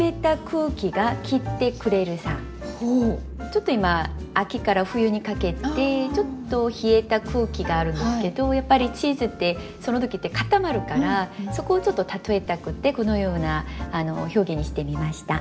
ちょっと今秋から冬にかけてちょっと冷えた空気があるんですけどやっぱりチーズってその時って固まるからそこをちょっと例えたくってこのような表現にしてみました。